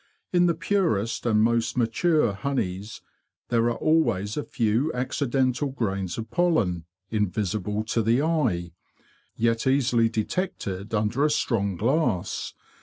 In the purest and most mature honeys there are always a few accidental grains of pollen, invisible to the eye, yet easily detected under a strong glass.